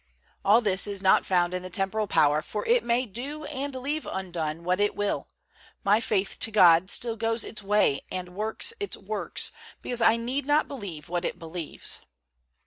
All this is not found in the temporal power; for it may do and leave undone what it will, my faith to God still goes its way and works its works, because I need not believe what it believes.